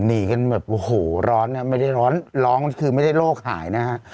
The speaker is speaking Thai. หนีกันแบบโอ้โหร้อนนะไม่ได้ร้อนร้อนคือไม่ได้โรคหายนะฮะ